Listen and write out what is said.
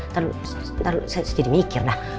ntar dulu saya jadi mikir dah